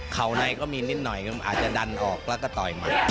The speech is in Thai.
เขาในก็มีนิดหน่อยอาจจะดันออกแล้วก็ต่อยใหม่